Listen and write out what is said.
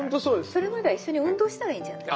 それまでは一緒に運動したらいいんじゃない？